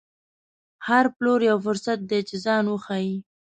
هر پلور یو فرصت دی چې ځان وښيي.